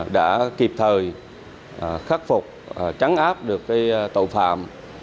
đã kịp thời khắc phục trắng áp được tội phạm